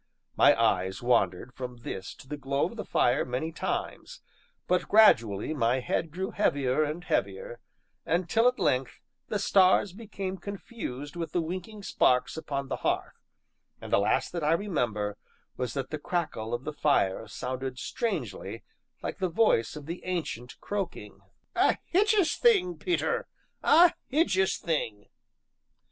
My eyes wandered from this to the glow of the fire many times, but gradually my head grew heavier and heavier, until, at length, the stars became confused with the winking sparks upon the hearth, and the last that I remember was that the crackle of the fire sounded strangely like the voice of the Ancient croaking: "A hijious thing, Peter, a hijious thing!"